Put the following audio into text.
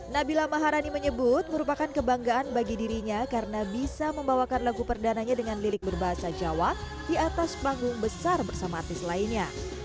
nabila maharani menyebut merupakan kebanggaan bagi dirinya karena bisa membawakan lagu perdananya dengan lilik berbahasa jawa di atas panggung besar bersama artis lainnya